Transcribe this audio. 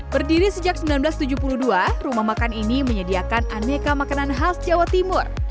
berdiri sejak seribu sembilan ratus tujuh puluh dua rumah makan ini menyediakan aneka makanan khas jawa timur